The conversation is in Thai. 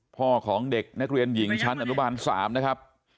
พ่อของเด็กนักเรียนหญิงชั้นอนุบาล๓นะครับ